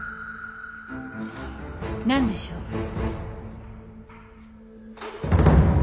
何でしょう？